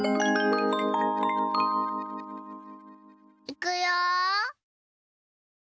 いくよ。